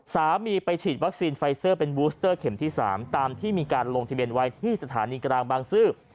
สามีไปฉีดวัคซีนไฟเซอร์เป็นบูสเตอร์เข็มที่๓ตามที่มีการลงทะเบียนไว้ที่สถานีกลางบางซื่อ